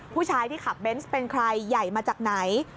ผู้ชายที่ขับเบนส์เป็นใครใหญ่มาจากไหน